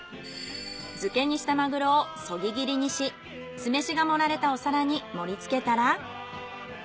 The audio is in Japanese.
漬けにしたマグロをそぎ切りにし酢飯が盛られたお皿に盛り付けたら。